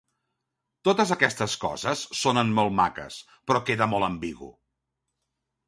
Totes aquestes coses sonen molt maques, però queda molt ambigu.